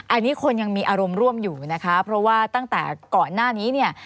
อันนี้คนยังมีอารมณ์ร่วมอยู่นะคะเพราะว่าตั้งแต่ก่อนหน้านี้เนี่ย